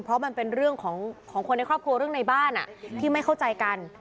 เพราะมันเป็นเรื่องของคนในครอบครัวเรื่องในบ้านที่ไม่เข้าใจกัน